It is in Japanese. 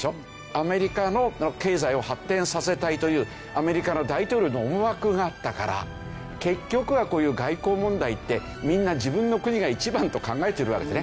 アメリカの経済を発展させたいというアメリカの大統領の思惑があったから結局はこういう外交問題ってみんな自分の国が一番と考えているわけですね。